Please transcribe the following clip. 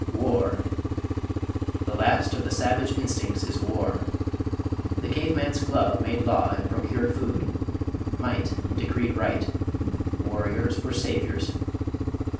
_ WAR! The last of the savage instincts is war. The cave man's club made law and procured food. Might decreed right. Warriors were saviours.